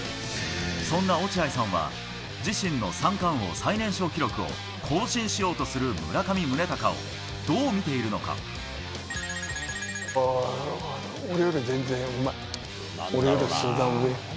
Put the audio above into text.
そんな落合さんは、自身の三冠王最年少記録を更新しようとする村上宗隆をどう見てい×××は俺より全然うまい。